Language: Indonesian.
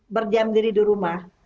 berdiam diri di rumah